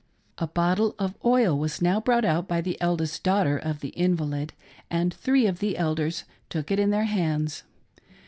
■ A bottle of oil was now brought out by the eldest daughter of the invalid ; and three of the elders took it in their hands.